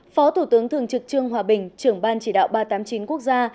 phó thủ tướng thường trực trương hòa bình trưởng ban chỉ đạo ba trăm tám mươi chín quốc gia